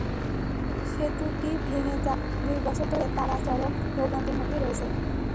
সেতুটি ভেঙে যাওয়ায় দুই বছর ধরে তারা চরম ভোগান্তির মধ্যে রয়েছে।